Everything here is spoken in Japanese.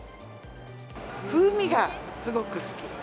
風味がすごく好き。